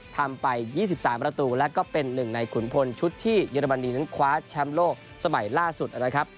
ทำไป๒๓ประตูแล้วก็เป็นหนึ่งในขุนพลชุดที่เยอรมนีนั้นคว้าแชมป์โลกสมัยล่าสุดนะครับ